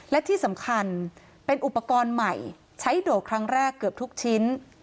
และที่สำคัญเป็นอุปกรณ์ใหม่ใช้โดดครั้งแรกเกือบทุกชิ้น